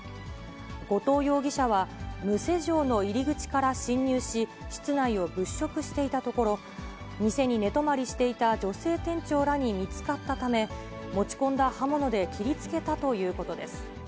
後藤容疑者は、無施錠の入り口から侵入し、室内を物色していたところ、店に寝泊まりしていた女性店長らに見つかったため、持ち込んだ刃物で切りつけたということです。